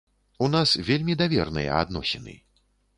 У нас вельмі даверныя адносіны.